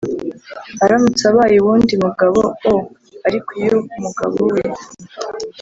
aramutse abaye uw undi mugabo o Ariko iyo umugabo we